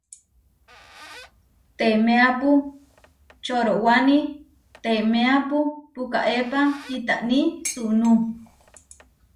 Temeápu corowáni temeápu pukaépa itáni sunú.